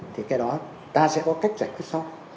thì cái đó ta sẽ có cách giải quyết xong